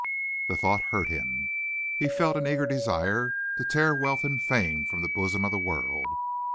The thought hurt him. He felt an eager desire to tear wealth and fame from the bosom of the world.